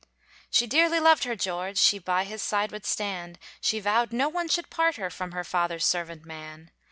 She dearly loved her George, She by his side would stand, She vowed no one should part her, From her father's servant man.